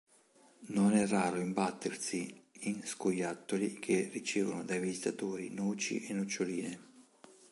Non è raro imbattersi in scoiattoli che ricevono dai visitatori noci e noccioline.